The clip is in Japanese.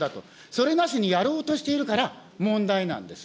それなしにやろうとしているから問題なんです。